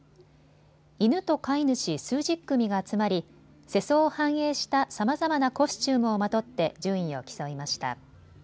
犬と飼い主数十組が集まり世相を反映したさまざまなコスチュームをまとって順位を競いました。